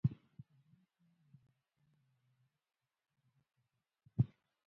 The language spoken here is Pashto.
هلمند سیند د افغانستان د انرژۍ سکتور برخه ده.